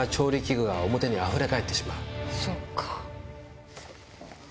そっか。